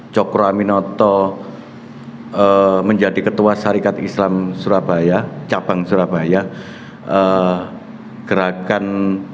cokro aminoto menjadi ketua syarikat islam surabaya cabang surabaya gerakan